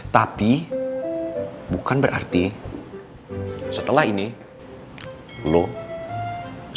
tapi bukan berarti setelah ini lo sama gue